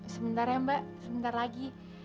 sebentar ya mbak sebentar lagi